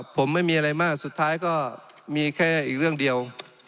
ผมไม่มีอะไรมากสุดท้ายก็มีแค่อีกเรื่องเดียว